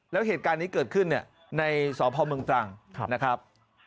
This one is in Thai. แล้วเหตุการณ์นี้เกิดขึ้นเนี่ยในสพปรังนะครับ